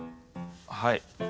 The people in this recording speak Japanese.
はい。